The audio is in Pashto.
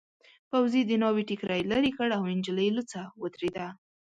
پوځي د ناوې ټکري لیرې کړ او نجلۍ لوڅه ودرېده.